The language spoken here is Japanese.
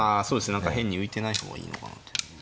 何か変に浮いてない方がいいのかな。